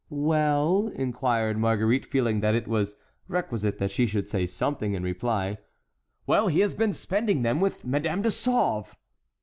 "Well?" inquired Marguerite, feeling that it was requisite that she should say something in reply. "Well, he has been spending them with Madame de Sauve!"